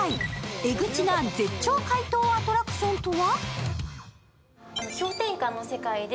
エグチな絶頂解凍アトラクションとは？